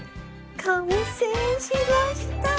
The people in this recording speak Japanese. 完成しましたー。